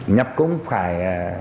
nhập cũng phải